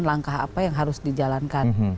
langkah apa yang harus dijalankan